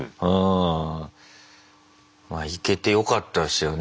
行けてよかったですよね